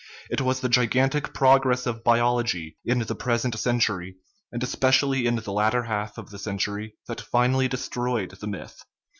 It was the gigantic progress of biology in the present century, and especially in the latter half of the century, that finally destroyed the myth.